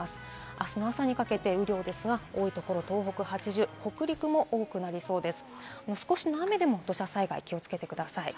あすの朝にかけて雨量ですが、多いところ東北８０、北陸も多くなりそうです。